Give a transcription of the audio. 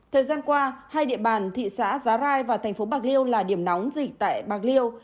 thời gian qua hai địa bàn thị xã giá rai và thành phố bạc liêu là điểm nóng dịch tại bạc liêu